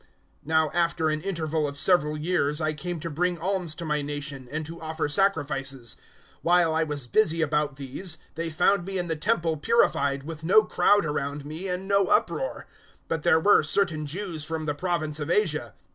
024:017 "Now after an interval of several years I came to bring alms to my nation, and to offer sacrifices. 024:018 While I was busy about these, they found me in the Temple purified, with no crowd around me and no uproar; but there were certain Jews from the province of Asia.